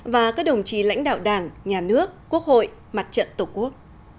và các đồng chí lãnh đạo đảng nhà nước quốc hội mặt trận tổ quốc